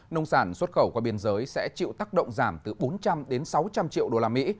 nông sản xuất khẩu qua biên giới sẽ chịu tác động giảm từ bốn trăm linh đến sáu trăm linh triệu đô la mỹ